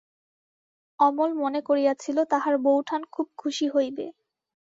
অমল মনে করিয়াছিল, তাহার বউঠান খুবখুশি হইবে।